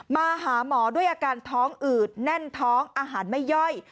มาหาหมอด้วยอาการท้องอืดแน่นท้องอาหารไม่ย่อย